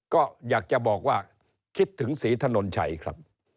ก็อยากจะบอกว่าคิดถึงศรีถนนชัยครับ